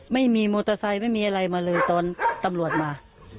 ไม่มีมอเตอร์ไซค์ไม่มีอะไรมาเลยตอนตำรวจมา